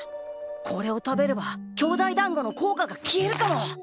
これを食べれば兄弟だんごの効果が消えるかも。